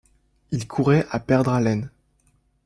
Il courait à perdre haleine.